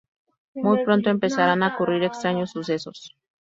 Muy pronto empezarán a ocurrir extraños sucesos.